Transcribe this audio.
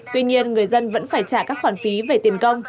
tuy nhiên người dân vẫn phải trả các khoản phí về tiền công